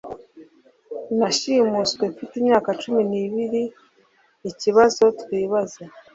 Nashimuswe mfite imyaka cumi n'ibiri ikibazo twibaza